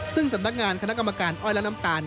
ซึ่งสำนักงานคณะกรรมการอ้อยและน้ำตาล